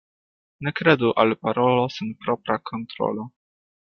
Ne kredu al parolo sen propra kontrolo.